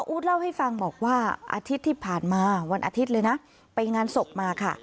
เล่าให้ฟังบอกว่าอาทิตย์ที่ผ่านมาวันอาทิตย์เลยนะไปงานศพมาค่ะ